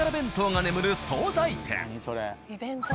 それ。